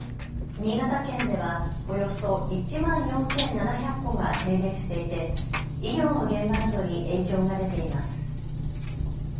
新潟県ではおよそ１万４７００戸が停電していて医療の現場などに影響が出ています。